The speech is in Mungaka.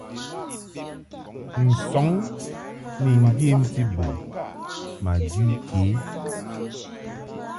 Nsɔŋ ni ŋgyemti bo ma jɨ ke.